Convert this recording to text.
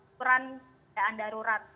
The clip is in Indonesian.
peran daan darurat